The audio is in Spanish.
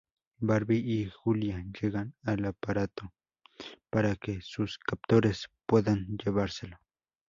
Barbie y Julia llegan al aparato para que "sus captores" puedan llevárselo.